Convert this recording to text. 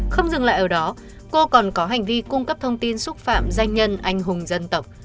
không dừng lại ở đó cô còn có hành vi cung cấp thông tin xúc phạm danh nhân anh hùng dân tộc